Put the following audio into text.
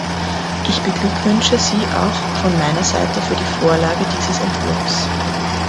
Ich beglückwünsche Sie auch von meiner Seite für die Vorlage dieses Entwurfs.